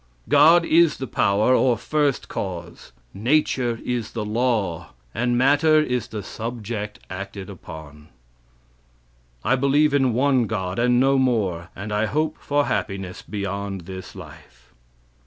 "God is the power, or first cause; nature is the law, and matter is the subject acted upon. "I believe in one God and no more, and I hope for happiness beyond this life.